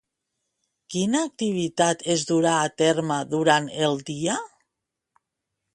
Quina activitat es durà a terme durant el dia?